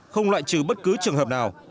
không loại trừ bất cứ trường hợp nào